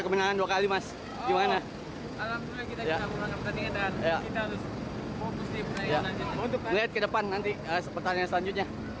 kemenangan dua kali mas gimana alhamdulillah kita harus fokus di pertandingan selanjutnya